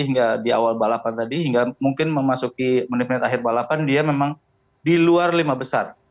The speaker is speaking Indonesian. hingga di awal balapan tadi hingga mungkin memasuki menit menit akhir balapan dia memang di luar lima besar